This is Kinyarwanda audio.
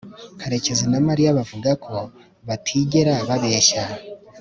karekezi na mariya bavuga ko batigera babeshya